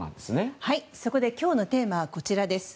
そこで今日のテーマはこちらです。